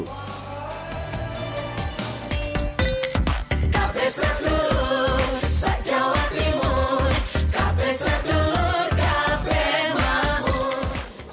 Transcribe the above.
kabeh sedulur se jawa timur kabeh sedulur kabeh mahmur